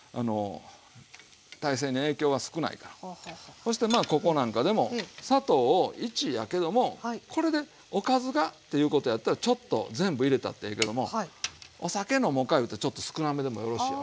そしてまあここなんかでも砂糖を１やけどもこれでおかずがっていうことやったらちょっと全部入れたってええけどもお酒のもんかいうたらちょっと少なめでもよろしいよね。